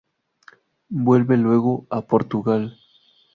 Vuelve luego a Portugal.